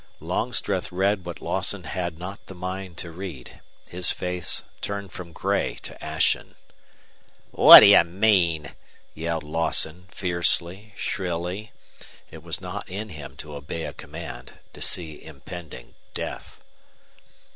Longstreth read what Lawson had not the mind to read. His face turned from gray to ashen. "What d'ye mean?" yelled Lawson, fiercely, shrilly. It was not in him to obey a command, to see impending death.